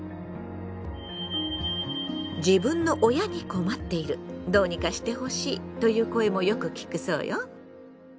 「自分の親に困っているどうにかしてほしい」という声もよく聞くそうよ。